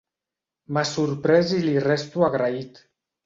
M´ha sorprès i li resto agraït.